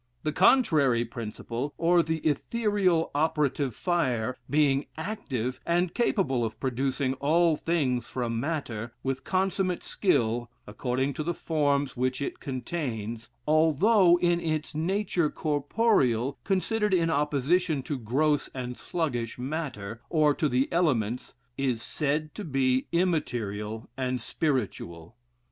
The con =trary principle, or the ethereal operative fire, being active, and capable of producing all things from matter, with consummate skill, according to the forms which it contains, although in its nature corporeal, considered in opposition to gross and sluggish matter, or to the elements, is said to be immaterial and spiritual.